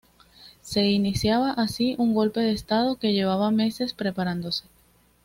Se iniciaba así un golpe de estado que llevaba meses preparándose.